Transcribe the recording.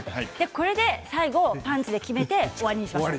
これで最後ドンと決めて終わりにしましょう。